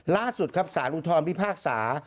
ล่าสุดครับสารอุทธรพิพากษา